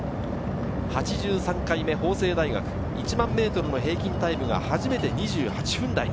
８３回目、法政大学１００００ｍの平均タイムが初めて２８分台に。